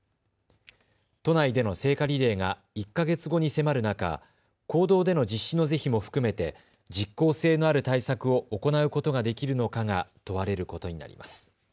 都内での聖火リレーが１か月後に迫る中、公道での実施の是非も含めて実効性のある対策を行うことができるのかが問われることになります。